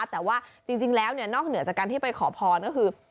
แต่ว่าจริงแล้วนอกเหนือจากการที่ไปขอพรก็คือ